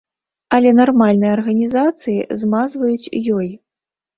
Але нармальныя арганізацыі змазваюць ёй.